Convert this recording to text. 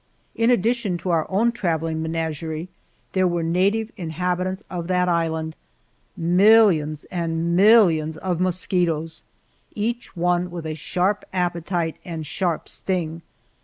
In addition to our own traveling menagerie there were native inhabitants of that island millions and millions of mosquitoes, each one with a sharp appetite and sharp sting.